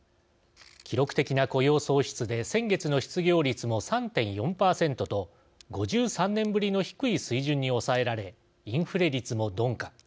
記録的な雇用創出で先月の失業率も３．４％と５３年ぶりの低い水準に抑えられインフレ率も鈍化。